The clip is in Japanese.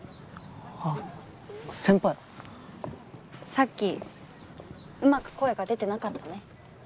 さっきうまく声が出てなかったね。